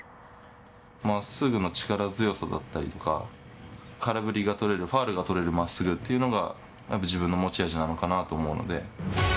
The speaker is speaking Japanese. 真っすぐな力強さだったりとか空振りが取れるファウルが取れる真っすぐが自分の持ち味なのかなと思うので。